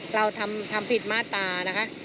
เราทำผิดมาตรานะคะ